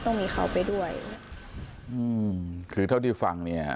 ต้องมีเขาไปด้วยอืมคือเท่าที่ฟังเนี้ย